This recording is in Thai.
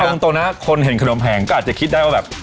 เอาตรงนะคนเห็นขนมแผงก็อาจจะคิดได้ว่าแบบ